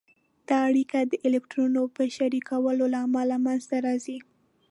دا اړیکه د الکترونونو په شریکولو له امله منځته راځي.